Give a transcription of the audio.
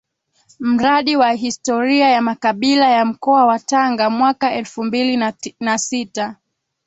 Mradi wa Historia ya Makabila ya Mkoa wa Tanga mwaka elfu mbili na sita